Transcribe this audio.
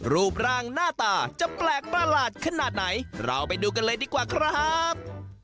รูปร่างหน้าตาจะแปลกประหลาดขนาดไหนเราไปดูกันเลยดีกว่าครับ